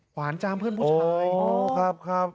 ขวานจามเพื่อนผู้ชาย